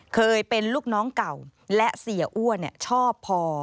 เคยเป็นลูกน้องเก่าและเสียอ้วนชอบพอ